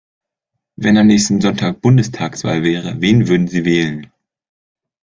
Wenn am nächsten Sonntag Bundestagswahl wäre, wen würden Sie wählen?